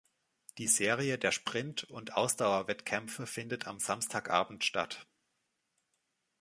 Die Serie der Sprint- und Ausdauerwettkämpfe findet am Samstagabend statt.